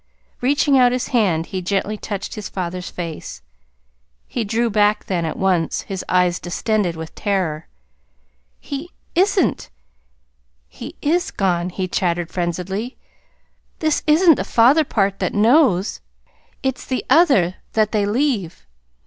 Reaching out his hand, he gently touched his father's face. He drew back then, at once, his eyes distended with terror. "He isn't! He is gone," he chattered frenziedly. "This isn't the father part that KNOWS. It's the other that they leave.